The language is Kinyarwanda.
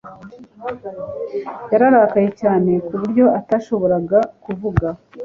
Yararakaye cyane ku buryo atashoboraga kuvuga